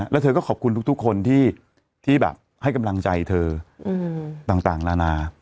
แล้วเธอก็ขอบคุณทุกคนที่แบบให้กำลังใจเธอต่างนานา